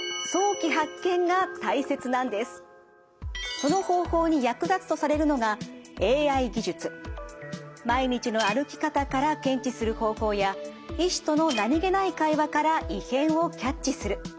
その方法に役立つとされるのが毎日の歩き方から検知する方法や医師との何気ない会話から異変をキャッチする。